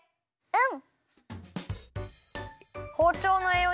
うん。